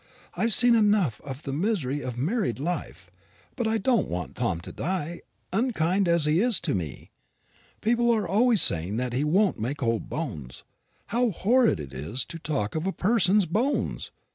"I have seen enough of the misery of married life. But I don't want Tom to die, unkind as he is to me. People are always saying that he won't make old bones how horrid it is to talk of a person's bones!